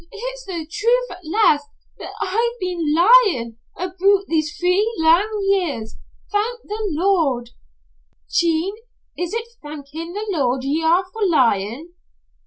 "It's the truth at last, that I've been lyin' aboot these three lang years, thank the Lord!" "Jean, is it thankin' the Lord ye are, for lyin'?"